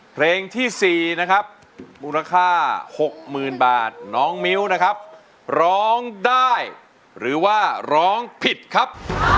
เพลงที่๔นะครับมูลค่า๖๐๐๐บาทน้องมิ้วนะครับร้องได้หรือว่าร้องผิดครับ